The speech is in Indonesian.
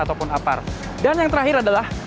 ataupun apar dan yang terakhir adalah